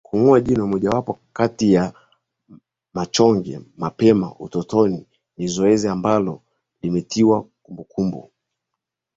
Kungoa jino mojawapo kati ya machonge mapema utotoni ni zoezi ambalo limetiwa kumbukumbu